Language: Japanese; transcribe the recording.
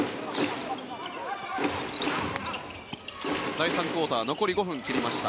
第３クオーター残り５分を切りました。